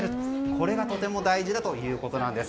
これがとても大事だということなんです。